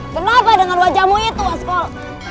kenapa dengan wajahmu itu maskol